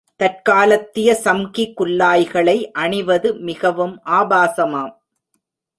தற்காலத்திய சம்கி குல்லாய்களை அணிவது மிகவும் ஆபாசமாம்.